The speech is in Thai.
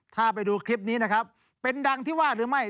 ถ้าไปดูคลิปนี้นะครับเป็นดังที่ว่าหรือไม่